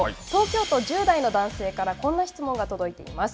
東京都１０代の男性からこんな質問が届いています。